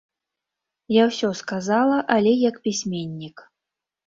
Я ўсё сказала, але як пісьменнік.